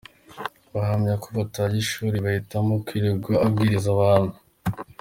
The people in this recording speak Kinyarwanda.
Bahamya ko yataye ishuri agahitamo kwirirwa abwiriza abantu.